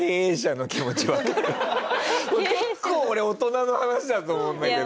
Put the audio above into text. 結構俺大人の話だと思うんだけど。